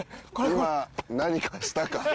今何かしたか？